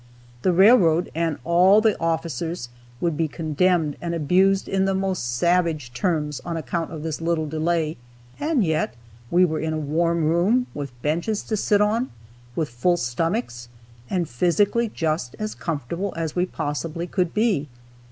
The railroad, and all the officers, would be condemned and abused in the most savage terms on account of this little delay. And yet we were in a warm room, with benches to sit on, with full stomachs, and physically just as comfortable as we possibly could be.